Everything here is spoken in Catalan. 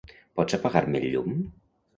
Pots apagar-me el llum?